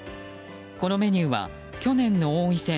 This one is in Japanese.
このメニューは去年の王位戦